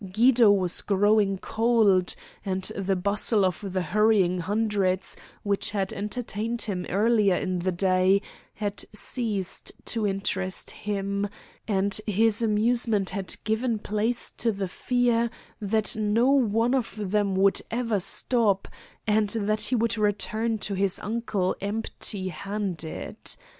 Guido was growing cold, and the bustle of the hurrying hundreds which had entertained him earlier in the day had ceased to interest him, and his amusement had given place to the fear that no one of them would ever stop, and that he would return to his uncle empty handed.